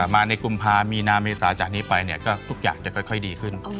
มาในกุมภามีนาเมษาจากนี้ไปเนี่ยก็ทุกอย่างจะค่อยดีขึ้น